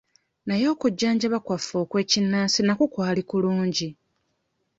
Naye okujjanjaba kwaffe okw'ekinnansi nakwo kwali kulungi.